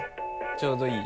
ちょうどいい。